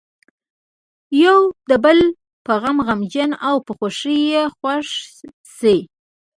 یو د بل په غم غمجن او په خوښۍ یې خوښ شي.